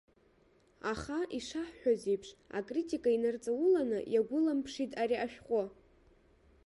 Аха, ишаҳҳәаз еиԥш, акритика инарҵауланы иагәыламԥшит ари ашәҟәы.